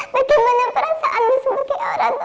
bagaimana perasaanmu sebagai orang tua